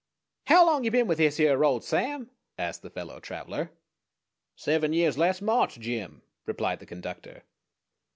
"How long you been with this hyere road, Sam?" asked the fellow traveler. "Seven years last March, Jim," replied the conductor.